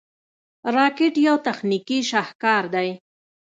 راکټ یو تخنیکي شاهکار دی